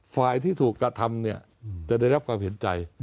ฝ่ายที่ถูกกระทำเนี่ยจะได้รับความเห็นใจ